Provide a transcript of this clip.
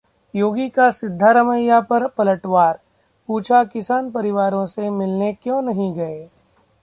योगी का सिद्धारमैया पर पलटवार, पूछा- किसान परिवारों से मिलने क्यों नहीं गए?